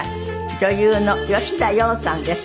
女優の吉田羊さんです。